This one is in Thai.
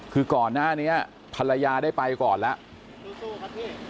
คือก่อนหน้านี้ภรรยาได้ไปก่อนแล้ว